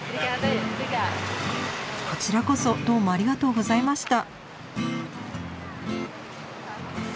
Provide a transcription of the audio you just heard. こちらこそどうもありがとうございました。